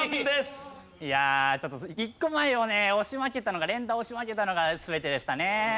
いやちょっと１個前をね押し負けたのが連打押し負けたのが全てでしたね。